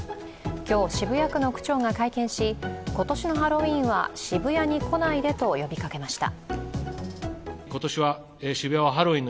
今日、渋谷区の区長が会見し今年のハロウィーンは渋谷に来ないでと呼びかけました。